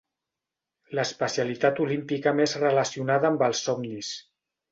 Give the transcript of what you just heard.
L'especialitat olímpica més relacionada amb els somnis.